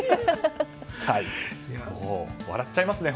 笑っちゃいますね。